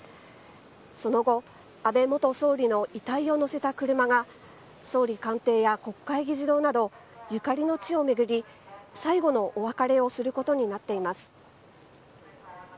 その後、安倍元総理の遺体を乗せた車が、総理官邸や国会議事堂など、ゆかりの地を巡り、最後のお別れをすることになっています。